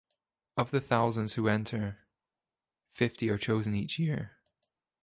Of the thousands who enter, fifty are chosen each year.